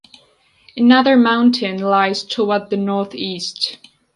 Another mountain lies toward the northeast.